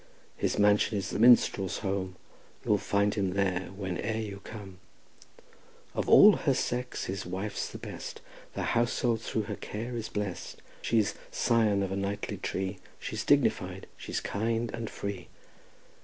His mansion is the minstrels' home, You'll find them there whene'er you come Of all her sex his wife's the best; The household through her care is blest. She's scion of a knightly tree, She's dignified, she's kind and free.